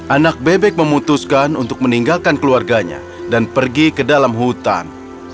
anak bebek memutuskan untuk meninggalkan keluarganya dan pergi ke dalam hutan